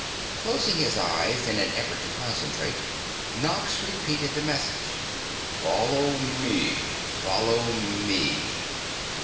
Closing his eyes in an effort to concentrate, Nox repeated over the message, "Follow me! Follow me!